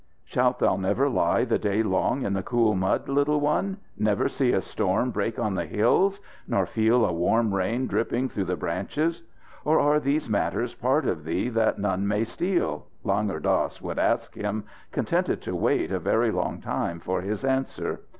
"Shalt thou never lie the day long in the cool mud, little one? Never see a storm break on the hills? Nor feel a warm rain dripping through the branches? Or are these matters part of thee that none may steal?" Langur Dass would ask him, contented to wait a very long time for his answer.